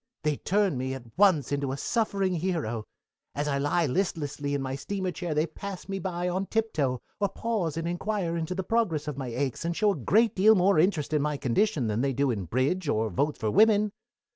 "They turn me at once into a suffering hero. As I lie listlessly in my steamer chair they pass me by on tip toe, or pause and inquire into the progress of my aches and show a great deal more interest in my condition than they do in bridge or votes for women.